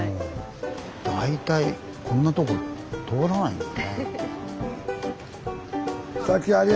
大体こんなとこ通らないよね。